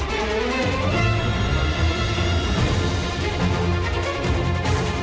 tidak ada yang bisa dihukum